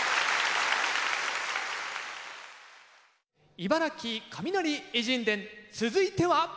「茨城カミナリ偉人伝」続いては？